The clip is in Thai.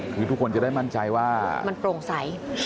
คือทุกคนจะได้มั่นใจว่ามันโปร่งใส